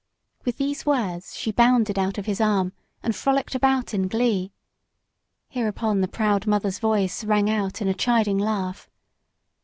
With these words she bounded out of his arm and frolicked about in glee. Hereupon the proud mother's voice rang out in a chiding laugh.